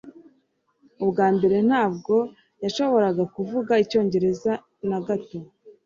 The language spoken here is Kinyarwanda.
Ubwa mbere, ntabwo yashoboraga kuvuga icyongereza na gato.